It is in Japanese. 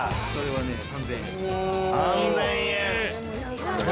３，０００円。